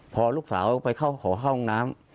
พอลูกสาวไปเข้าขอเข้าห้องน้ำ